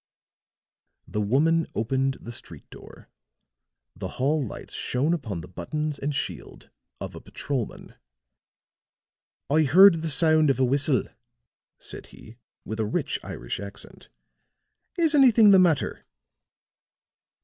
The woman opened the street door; the hall lights shone upon the buttons and shield of a patrolman. "I heard the sound of a whistle," said he, with a rich Irish accent. "Is anything the matter?"